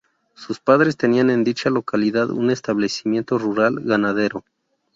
Sus padres tenían en dicha localidad un establecimiento rural ganadero.